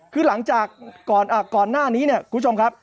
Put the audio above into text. คือหลังจากก่อนหน้านี้เนี่ยคุณผู้ชมครับ